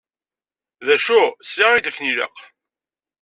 D acu? Sliɣ-ak-d akken ilaq?